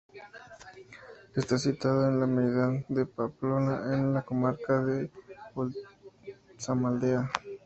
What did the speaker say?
Está situado en la Merindad de Pamplona, en la Comarca de Ultzamaldea.